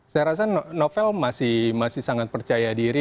saya rasa novel masih sangat percaya diri